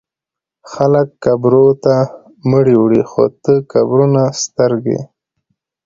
خلک قبرو ته مړي وړي خو ته قبرونه سترګې